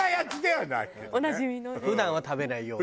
普段は食べないような。